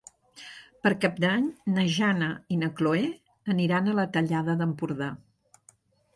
Per Cap d'Any na Jana i na Chloé aniran a la Tallada d'Empordà.